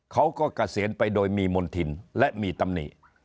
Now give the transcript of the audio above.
เขาก็เกษียณไปโดยมีมณฑินและมีตำนี